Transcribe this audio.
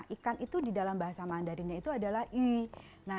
ikan itu di dalam bahasa mandarin itu adalah iu